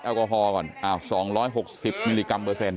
แอลกอฮอลก่อน๒๖๐มิลลิกรัมเปอร์เซ็น